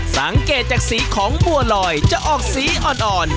สังเกตจากสีของบัวลอยจะออกสีอ่อน